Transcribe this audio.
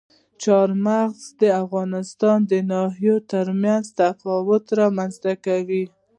چار مغز د افغانستان د ناحیو ترمنځ تفاوتونه رامنځته کوي.